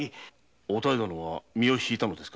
お妙殿は身をひいたのですか？